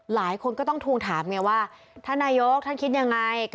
หลายคนก็ต้องทวงถามไงว่าท่านนายกท่านคิดยังไง